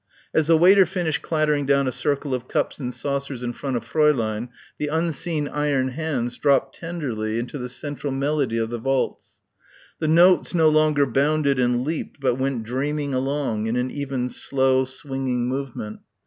As the waiter finished clattering down a circle of cups and saucers in front of Fräulein, the unseen iron hands dropped tenderly into the central melody of the waltz. The notes no longer bounded and leaped but went dreaming along in an even slow swinging movement.